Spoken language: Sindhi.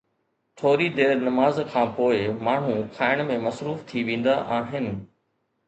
ٿوري دير نماز کان پوءِ ماڻهو کائڻ ۾ مصروف ٿي ويندا آهن.